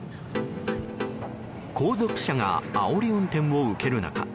後続車があおり運転を受ける中